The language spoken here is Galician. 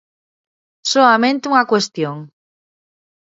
Soamente unha cuestión.